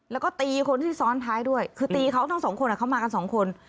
แล้วก็ตีคนที่ซ้อนท้ายด้วยคือตีเขาทั้งสองคนเขามากันสองคน